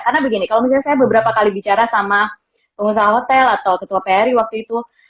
karena begini kalau misalnya saya beberapa kali bicara sama pengusaha hotel atau titulah periwaktu itu